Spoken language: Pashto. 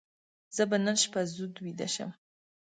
زه به نن شپه زود ویده شم.